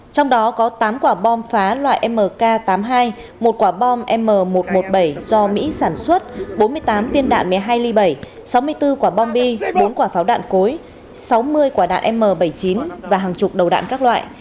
trong đó có tám quả bom phá loại mk tám mươi hai một quả bom m một trăm một mươi bảy do mỹ sản xuất bốn mươi tám viên đạn một mươi hai ly bảy sáu mươi bốn quả bom bi bốn quả pháo đạn cối sáu mươi quả đạn m bảy mươi chín và hàng chục đầu đạn các loại